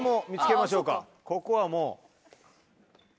ここはもう。